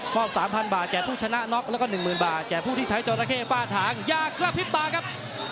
ครอบ๓๐๐๐บาทแก่ผู้ชนะน็อคแล้วก็๑๐๐๐๐บาทแก่ผู้ที่ใช้จอดราเคฟ่าทางยากรับฤทธิ์ป่าครับ